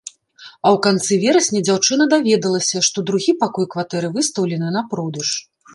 А ў канцы верасня дзяўчына даведалася, што другі пакой кватэры выстаўлены на продаж.